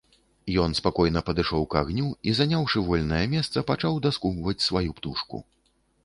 Ён спакойна падышоў к агню і, заняўшы вольнае месца, пачаў даскубваць сваю птушку.